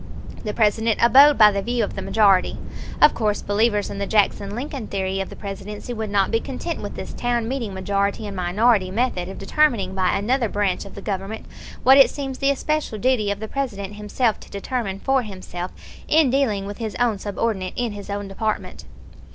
The President abode by the view of the majority. Of course believers in the Jackson Lincoln theory of the Presidency would not be content with this town meeting majority and minority method of determining by another branch of the Government what it seems the especial duty of the President himself to determine for himself in dealing with his own subordinate in his own department.